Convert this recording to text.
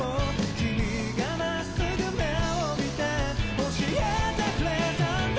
「君がまっすぐ目を見て教えてくれたんだ」